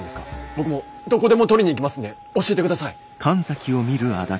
僕もうどこでも取りに行きますんで教えてください！